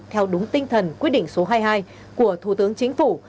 theo đúng tinh thần quyết định số hai mươi hai của thủ tướng chính phủ